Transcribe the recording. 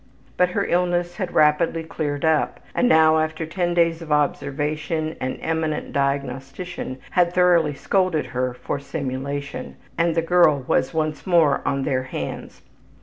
But her illness had rapidly cleared up and now after ten days of observation an eminent diagnostician had thoroughly scolded her for simulation, and the girl was once more on their hands.